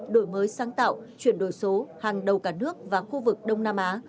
đổi mới sáng tạo chuyển đổi số hàng đầu cả nước và khu vực đông nam á